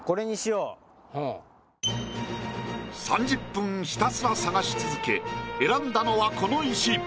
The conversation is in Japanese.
３０分ひたすら探し続け選んだのはこの石。